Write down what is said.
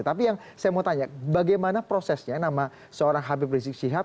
tapi yang saya mau tanya bagaimana prosesnya nama seorang habib rizik syihab